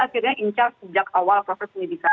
akhirnya incar sejak awal proses penyidikan